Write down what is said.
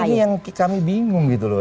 ini yang kami bingung gitu loh